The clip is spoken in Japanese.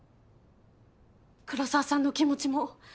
黒澤さんの気持ちも。